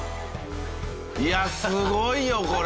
いやすごいよこれ！